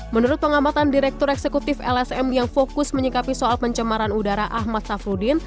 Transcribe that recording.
menurut pengamatan direktur eksekutif lsm yang fokus menyikapi soal pencemaran udara ahmad safruddin